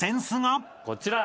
こちら。